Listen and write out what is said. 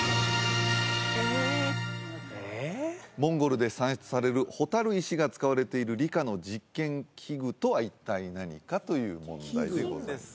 モンゴルで産出される蛍石が使われている理科の実験器具とは一体何かという問題でございます